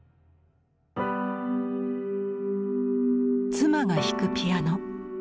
妻が弾くピアノ。